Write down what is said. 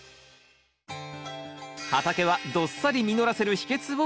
畑はどっさり実らせる秘けつを紹介！